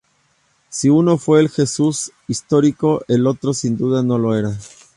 Si uno fue el Jesús histórico, el otro sin duda no lo era.